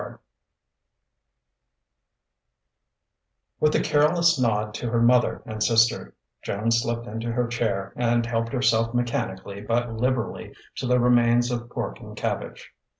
III With a careless nod to her mother and sister, Joan slipped into her chair and helped herself mechanically but liberally to the remains of pork and cabbage.